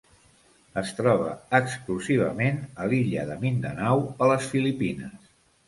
Es troba exclusivament a l'illa de Mindanao, a les Filipines.